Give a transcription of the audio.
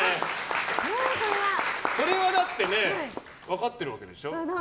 それはだってね分かってるわけでしょ。